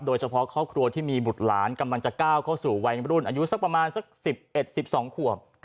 โดยเฉพาะครอบครัวที่มีบุตรหลานกำลังจะก้าวเข้าสู่วัยมรุ่นอายุสักประมาณสัก๑๑๑๒ขวบ